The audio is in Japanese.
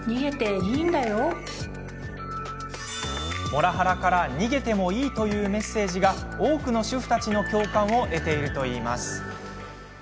モラハラから逃げてもいいというメッセージが多くの主婦たちの共感を得ているといいます。